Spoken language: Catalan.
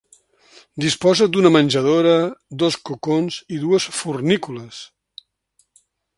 Disposa d'una menjadora, dos cocons i dues fornícules.